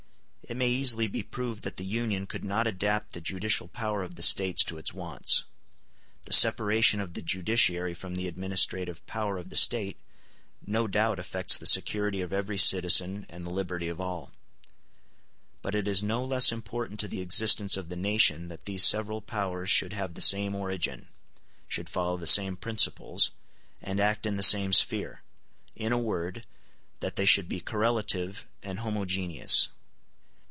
It may easily be proved that the Union could not adapt the judicial power of the States to its wants. The separation of the judiciary from the administrative power of the State no doubt affects the security of every citizen and the liberty of all. But it is no less important to the existence of the nation that these several powers should have the same origin, should follow the same principles, and act in the same sphere; in a word, that they should be correlative and homogeneous.